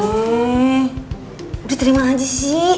udah terima aja sih